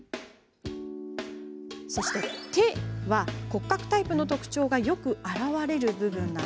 手は骨格タイプの特徴がよく現れる部分。